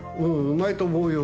うまいと思うよ